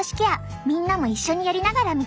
みんなも一緒にやりながら見てね！